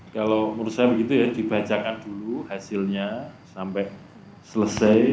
kalau menurut saya begitu ya dibacakan dulu hasilnya sampai selesai